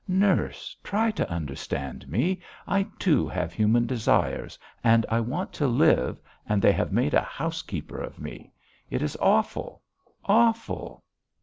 Nurse, try to understand me, I too have human desires and I want to live and they have made a housekeeper of me. It is awful, awful!"